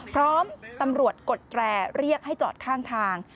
พร้อมตำรวจกดแตรเรียกให้จอดข้างทาง